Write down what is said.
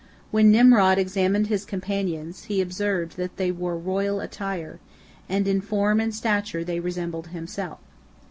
When Nimrod examined his companions, he observed that they wore royal attire, and in form and stature they resembled himself.